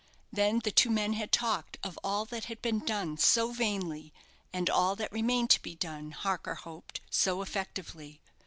Then the two men had talked of all that had been done so vainly, and all that remained to be done, Harker hoped, so effectively.